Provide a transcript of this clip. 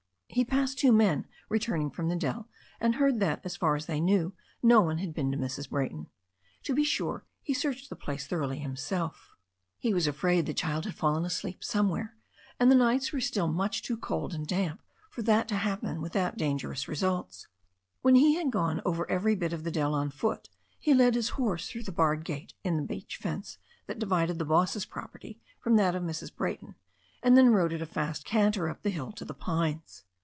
He passed two men returning from the dell, and heard that, as far as they knew, no one had been to Mrs. Bray ton. To be sure, he searched the place thoroughly himself. He was afraid the child had fallen asleep somewhere, and the nights were still much too cold and damp for that to THE STORY OF A NEW ZEALAND RIVER 123 happen without dangerous results. When he had gone over every bit of the dell on foot, he led his horse through the barred gate in the beach fence that divided the boss's prop erty from that of Mrs. Brayton, and then rode at a fast canter up the hill to the pines.